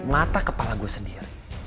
mata kepala gua sendiri